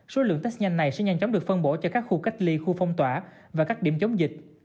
số lượng test nhanh này sẽ nhanh chóng được phân bổ cho các khu cách ly khu phong tỏa và các điểm chống dịch